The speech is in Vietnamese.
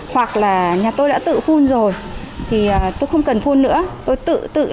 hoặc là nhà tôi đã tự phun rồi thì tôi không cần phun nữa tôi tự tự